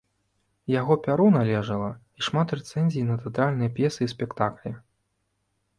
Яго пяру належала і шмат рэцэнзій на тэатральныя п'есы і спектаклі.